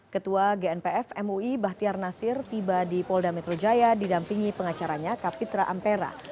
ketua gnpf mui bahtiar nasir tiba di polda metro jaya didampingi pengacaranya kapitra ampera